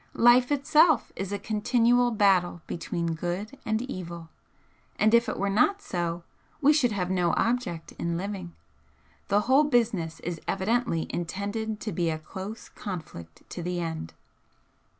Life itself is a continual battle between good and evil, and if it were not so we should have no object in living. The whole business is evidently intended to be a dose conflict to the end."